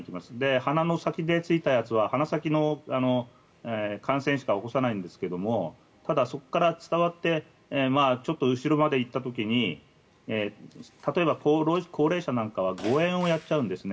鼻の先でついたやつは鼻先の感染しか起こさないんですがただ、そこから伝わってちょっと後ろまで行った時に例えば高齢者なんかは誤嚥をやっちゃうんですよね